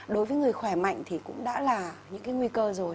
đối với người khỏe mạnh thì cũng đã là những cái nguy cơ rồi